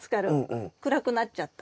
暗くなっちゃった。